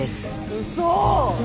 うそ！